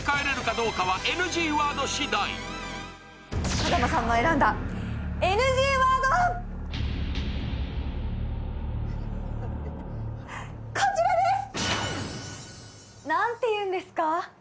風間さんの選んだＮＧワードはこちらです！